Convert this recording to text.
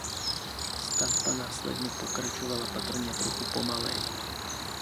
Stavba následně pokračovala patrně trochu pomaleji.